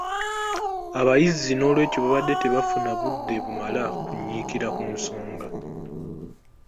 Abayizi n’olwekyo babadde tebafuna budde bumala kunnyikira ku nsonga.